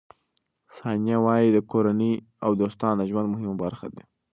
ثانیه وايي، کورنۍ او دوستان د ژوند مهمه برخه دي.